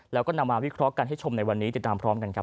แล้วก็นำมาวิเคราะห์กันให้ชมในวันนี้ติดตามพร้อมกันครับ